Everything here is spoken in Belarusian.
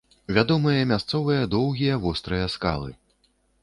Вядомыя мясцовыя доўгія вострыя скалы.